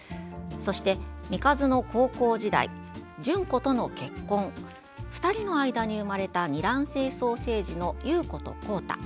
そして、ミカズの高校時代順子との結婚２人の間に生まれた二卵性双生児の侑子と康太。